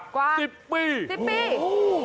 กว่า๑๐ปีโห